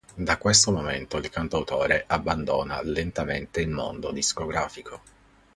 Da questo momento il cantautore abbandona lentamente il mondo discografico.